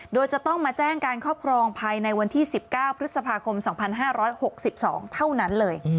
โดยจะต้องมาแจ้งการครอบครองภายในวันที่๑๙พฤษภาคม๒๕๖๒เท่านั้นเลย